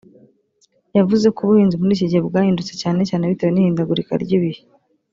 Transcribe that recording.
yavuze ko ubuhinzi muri iki gihe bwahindutse cyane cyane bitewe n’ihindagurika ry’ibihe